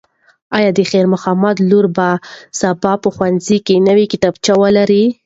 ایا د خیر محمد لور به سبا په ښوونځي کې نوې کتابچه ولري؟